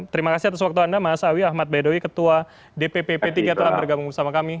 terima kasih atas waktu anda mas awi ahmad baidowi ketua dpp p tiga telah bergabung bersama kami